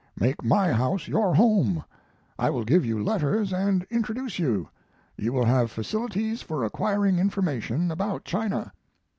Make my house your home. I will give you letters and introduce you. You will have facilities for acquiring information about China."